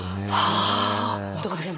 はあどうですか？